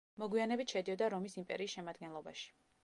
მოგვიანებით შედიოდა რომის იმპერიის შემადგენლობაში.